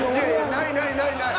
ないないないない。